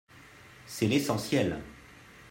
C’est l’essentiel